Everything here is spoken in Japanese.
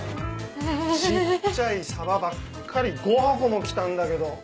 小っちゃいサバばっかり５箱も来たんだけど。